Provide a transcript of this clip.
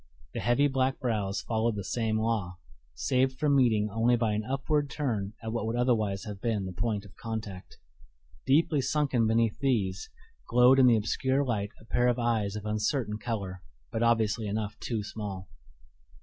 The heavy black brows followed the same law, saved from meeting only by an upward turn at what would otherwise have been the point of contact. Deeply sunken beneath these, glowed in the obscure light a pair of eyes of uncertain color, but obviously enough too small.